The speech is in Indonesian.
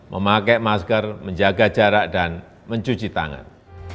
memakai masker menjaga jarak dan mencuci tangan